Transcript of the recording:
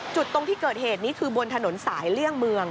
ตรงที่เกิดเหตุนี้คือบนถนนสายเลี่ยงเมือง